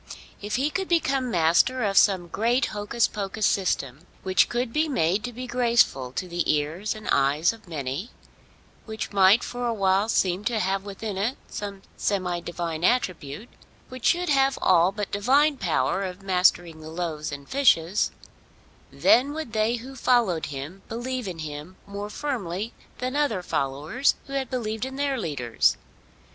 If he could become master of some great hocus pocus system which could be made to be graceful to the ears and eyes of many, which might for awhile seem to have within it some semi divine attribute, which should have all but divine power of mastering the loaves and fishes, then would they who followed him believe in him more firmly than other followers who had believed in their leaders.